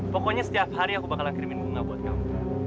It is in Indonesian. pokoknya setiap hari aku bakalan kirimin bunga buat kamu